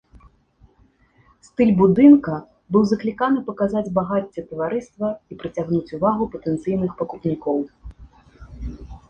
Стыль будынка быў закліканы паказаць багацце таварыства і прыцягнуць увагу патэнцыйных пакупнікоў.